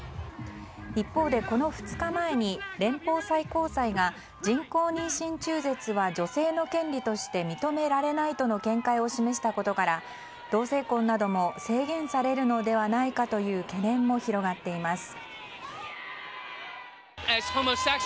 一方で、この２日前に連邦最高裁が人工妊娠中絶は女性の権利として認められないとの見解を示したことから同性婚なども制限されるのではないかという懸念も広がっています。